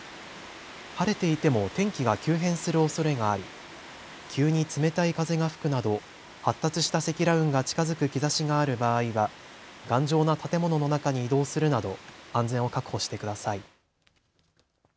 晴れていても天気が急変するおそれがあり急に冷たい風が吹くなど発達した積乱雲が近づく兆しがある場合は頑丈な建物の中に移動するなど安全を確保してください。